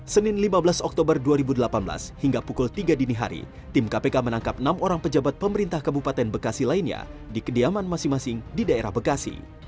senin lima belas oktober dua ribu delapan belas hingga pukul tiga dini hari tim kpk menangkap enam orang pejabat pemerintah kabupaten bekasi lainnya di kediaman masing masing di daerah bekasi